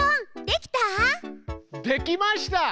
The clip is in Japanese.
できました！